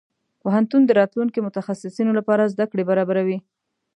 پوهنتون د راتلونکي متخصصينو لپاره زده کړې برابروي.